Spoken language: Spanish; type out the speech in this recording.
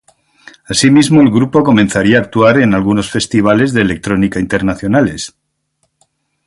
Asimismo el grupo comenzaría a actuar en algunos festivales de electrónica internacionales en Asia.